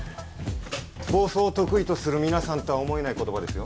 暴走を得意とする皆さんとは思えない言葉ですよ。